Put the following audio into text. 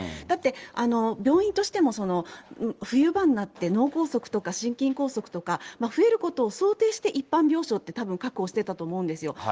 だって、病院としても、冬場になって脳梗塞とか心筋梗塞とか増えることを想定して、一般病床って、たぶん確保してたと思うんですよ。